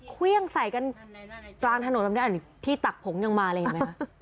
เครื่องใส่กันกลางถนนที่ตักผงยังมาเลยเห็นไหมคะ